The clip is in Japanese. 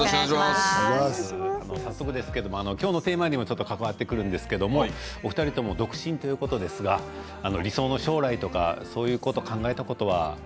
早速ですが今日のテーマにも関わってくるんですがお二人とも独身ということで理想の将来とかそういうこと、考えたことは？